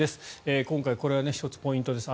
今回、これは１つポイントです。